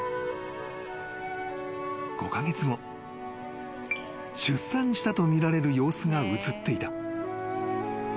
［５カ月後出産したとみられる様子が映っていた］